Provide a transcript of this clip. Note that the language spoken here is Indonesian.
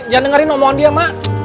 dia dengerin omongan dia mak